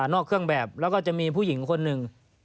นอกเครื่องแบบแล้วก็จะมีผู้หญิงคนหนึ่ง